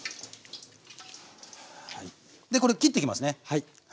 でこれ切ってきますね。